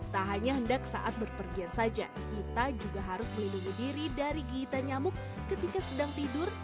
tak hanya hendak saat berpergian saja kita juga harus melindungi diri dari gigitan nyamuk ketika sedang tidur